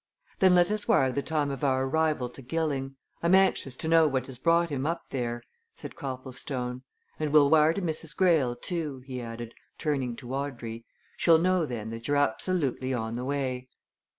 "Then let us wire the time of our arrival to Gilling. I'm anxious to know what has brought him up there," said Copplestone. "And we'll wire to Mrs. Greyle, too," he added, turning to Audrey. "She'll know then that you're absolutely on the way."